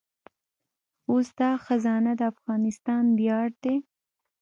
اوس دا خزانه د افغانستان ویاړ دی